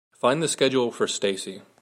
Find the schedule for Stacey.